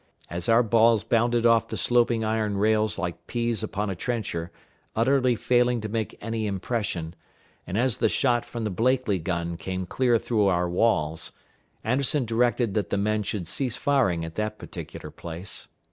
As our balls bounded off the sloping iron rails like peas upon a trencher, utterly failing to make any impression, and as the shot from the Blakely gun came clear through our walls, Anderson directed that the men should cease firing at that particular place.